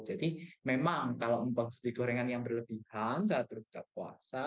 jadi memang kalau membuat sedih gorengan yang berlebihan saat berpuasa